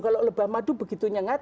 kalau lebah madu begitu nyengat